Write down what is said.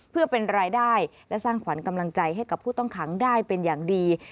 เพื่อเป็นรายได้และสร้างขวัญกำลังใจให้กับผู้ต้องขังได้เป็นอย่างดี